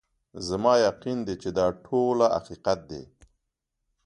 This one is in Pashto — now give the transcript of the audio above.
زما یقین دی چي دا ټوله حقیقت دی